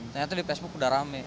ternyata di facebook udah rame